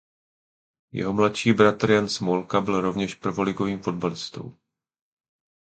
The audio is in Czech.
Jeho mladší bratr Jan Smolka byl rovněž prvoligovým fotbalistou.